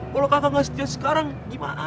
kalau kakak gak setia sekarang gimana